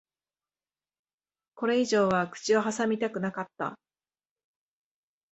これ以上は口を挟みたくなかった。